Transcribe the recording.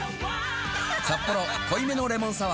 「サッポロ濃いめのレモンサワー」